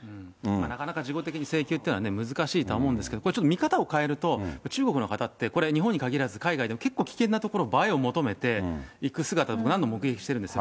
なかなか事後的に請求っていうのは難しいとは思うんですけど、これちょっと、見方を変えると、中国の方って、これ、日本に限らず、海外でも結構危険な所、映えを求めて行く姿、何度も目撃してるんですよ。